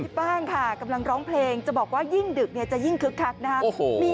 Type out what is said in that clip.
ป้างค่ะกำลังร้องเพลงจะบอกว่ายิ่งดึกเนี่ยจะยิ่งคึกคักนะครับ